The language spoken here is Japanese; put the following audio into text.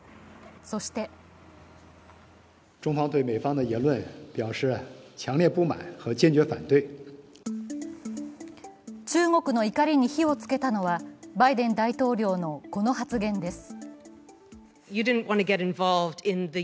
そして中国の怒りに火を付けたのはバイデン大統領のこの発言です。